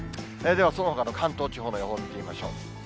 では、そのほかの関東地方の予報見てみましょう。